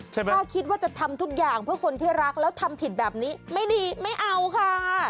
ถ้าคิดว่าจะทำทุกอย่างเพื่อคนที่รักแล้วทำผิดแบบนี้ไม่ดีไม่เอาค่ะ